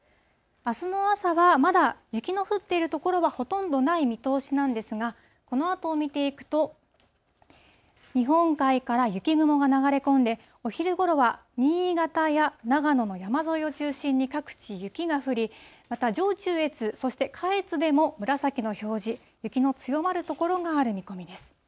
あすの朝はまだ雪の降っている所はほとんどない見通しなんですが、このあとを見ていくと、日本海から雪雲が流れ込んで、お昼ごろは新潟や長野の山沿いを中心に各地雪が降り、また上中越、そして下越でも紫の表示、雪の強まる所がある見込みです。